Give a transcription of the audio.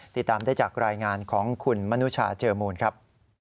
ติดตามได้จากรายงานของคุณมนุชาเจอมูลครับ